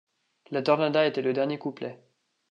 La tornada était le dernier couplet.